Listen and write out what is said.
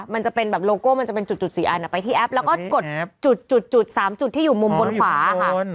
มันจะเป็นแบบโลโก้มันจะเป็นจุด๔อันไปที่แอปแล้วก็กดจุด๓จุดที่อยู่มุมบนขวาค่ะ